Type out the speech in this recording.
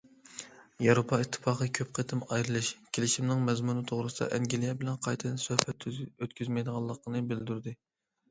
ياۋروپا ئىتتىپاقى كۆپ قېتىم« ئايرىلىش» كېلىشىمىنىڭ مەزمۇنى توغرىسىدا ئەنگلىيە بىلەن قايتىدىن سۆھبەت ئۆتكۈزمەيدىغانلىقىنى بىلدۈردى.